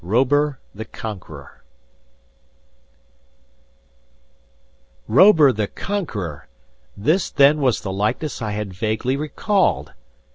ROBUR, THE CONQUEROR Robur, the Conqueror! This then was the likeness I had vaguely recalled.